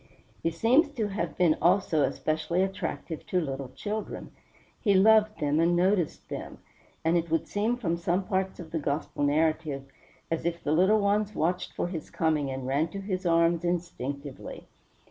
He seems to have been also especially attractive to little children; he loved them and noticed them; and it would seem from some parts of the Gospel narrative as if the little ones watched for his coming and ran to his arms instinctively.